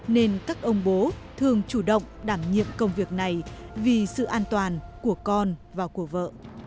nên các ông bố thường chủ động đảm nhiệm công việc này vì sự an toàn của con và của vợ